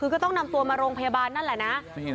ก็ต้องนำตัวมาโรงพยาบาลนั้น